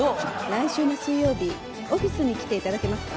来週の水曜日オフィスに来ていただけますか？